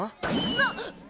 なっ！